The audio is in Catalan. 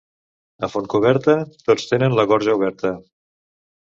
A Fontcoberta, tots tenen la gorja oberta.